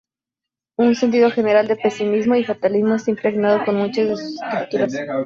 Un sentido general de pesimismo y fatalismo está impregnado en muchos de sus escrituras.